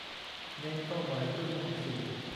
เน้นเป้าหมายเพื่อมุ่งสู่